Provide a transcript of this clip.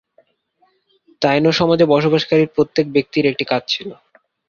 তাইনো সমাজে বসবাসকারী প্রত্যেক ব্যক্তির একটি কাজ ছিল।